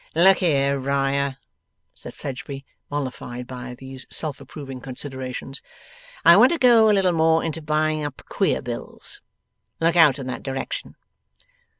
'Look here, Riah,' said Fledgeby, mollified by these self approving considerations. 'I want to go a little more into buying up queer bills. Look out in that direction.